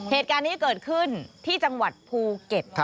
เหตุการณ์นี้เกิดขึ้นที่จังหวัดภูเก็ต